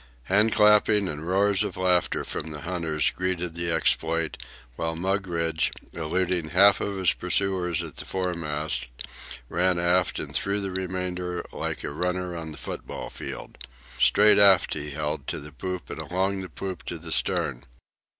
Hand clapping and roars of laughter from the hunters greeted the exploit, while Mugridge, eluding half of his pursuers at the foremast, ran aft and through the remainder like a runner on the football field. Straight aft he held, to the poop and along the poop to the stern.